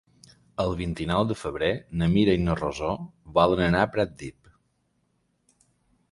El vint-i-nou de febrer na Mira i na Rosó volen anar a Pratdip.